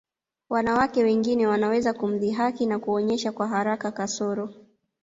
Wanawake wengine wanaweza kumdhihaki na kuonyesha kwa haraka kasoro